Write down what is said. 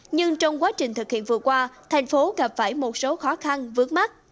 nhưng trong quá trình thực hiện vừa qua thành phố gặp phải một số khó khăn vướng mắt